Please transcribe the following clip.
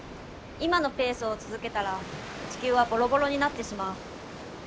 今のペースを続けたら地球はボロボロになってしまう。